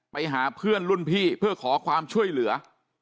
ไปหาเพื่อนรุ่นพี่เพื่อขอความช่วยเหลือ